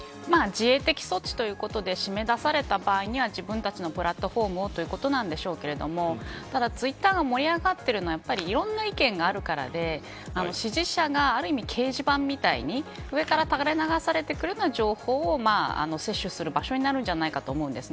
自衛的措置ということで締め出された場合には自分たちのプラットフォームをということなんでしょうけれどもただ、ツイッターが盛り上がっているのはいろんな意見があるからで支持者がある意味掲示板みたいに上から垂れ流されてくるような情報を摂取する場所になるんじゃないかと思うんです。